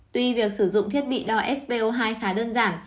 tuy việc sử dụng thiết bị đo sbo hai khá đơn giản